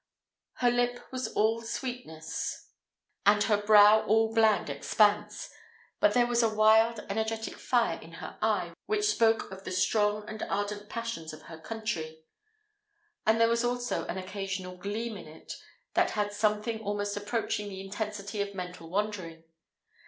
Her lip was all sweetness, and her brow all bland expanse; but there was a wild energetic fire in her eye, which spoke of the strong and ardent passions of her country; and there was also an occasional gleam in it, that had something almost approaching the intensity of mental wandering.